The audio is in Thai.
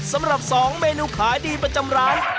สำหรับ๒เมนูขายดีประจำร้าน